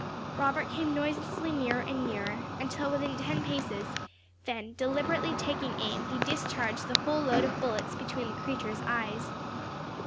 Robert came noiselessly nearer and nearer, until within ten paces, then deliberately taking aim, he discharged the whole load of bullets between the creature's eyes.